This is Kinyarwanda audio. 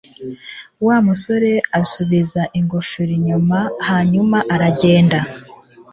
Wa musore asubiza ingofero inyuma hanyuma aragenda.